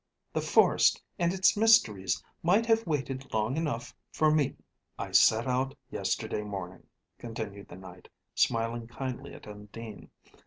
The forest and its mysteries might have waited long enough, for me." "I set out yesterday morning," continued the Knight, smiling kindly at Undine.